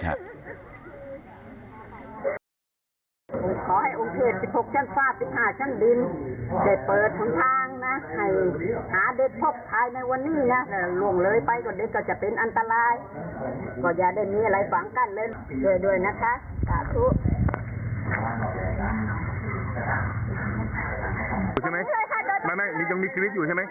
เหลือครึ่งตัว